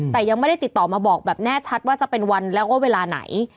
แต่ยังไม่ได้ติดต่อมาบอกแบบแน่ชัดว่าจะเป็นวันแล้วก็เวลาไหน